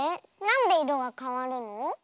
なんでいろがかわるの？